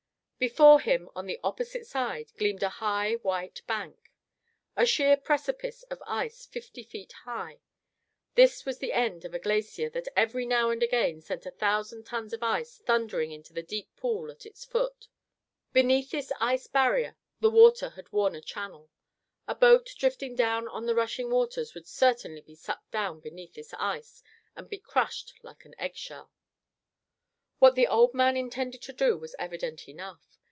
Before him, on the opposite side, gleamed a high white bank. A sheer precipice of ice fifty feet high, this was the end of a glacier that every now and again sent a thousand tons of ice thundering into the deep pool at its foot. Beneath this ice barrier the water had worn a channel. A boat drifting down on the rushing waters would certainly be sucked down beneath this ice and be crushed like an eggshell. What the old man intended to do was evident enough.